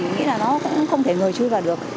nghĩ là nó cũng không thể người chui vào được